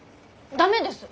駄目です。